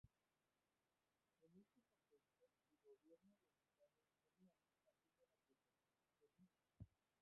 En este contexto, el gobierno del estado de Tasmania, asume la prestación del servicio.